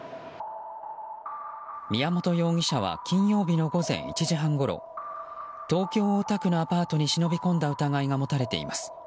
宮本容疑者は金曜日の午前１時半ごろ東京・大田区のアパートに忍び込んだ疑いが持たれています。